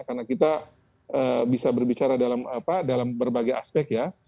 karena kita bisa berbicara dalam berbagai aspek ya